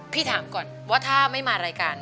ถามก่อนว่าถ้าไม่มารายการ